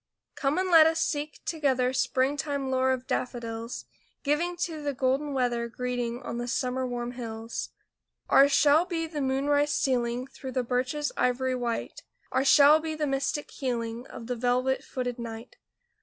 Come and let us seek together Springtime lore of daffodils, Giving to the golden weather Greeting on the sun warm hills. Ours shall be the moonrise stealing Through the birches ivory white; Ours shall be the mystic healing Of the velvet footed night.